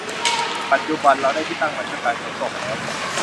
ปัจจุบันเราได้ที่ตั้งใหม่เพื่อการขนส่งแล้ว